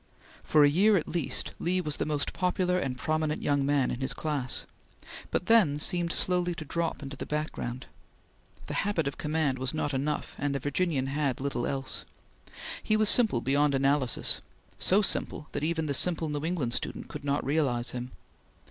For a year, at least, Lee was the most popular and prominent young man in his class, but then seemed slowly to drop into the background. The habit of command was not enough, and the Virginian had little else. He was simple beyond analysis; so simple that even the simple New England student could not realize him.